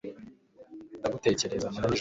ndagutekereza amanywa n'ijoro